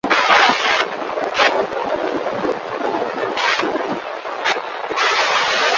The following year he won the Chilean Chess Championship.